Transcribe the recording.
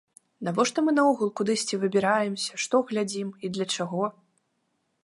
Навошта мы наогул кудысьці выбіраемся, што глядзім і для чаго?